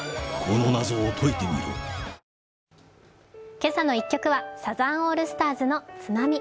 「けさの１曲」はサザンオールスターズの「ＴＳＵＮＡＭＩ」。